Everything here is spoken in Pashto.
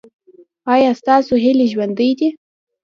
ایا ستاسو هیلې ژوندۍ دي؟